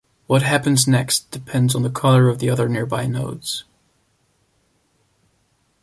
What happens next depends on the color of other nearby nodes.